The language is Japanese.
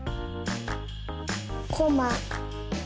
こま。